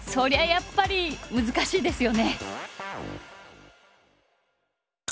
やっぱり難しいですよね。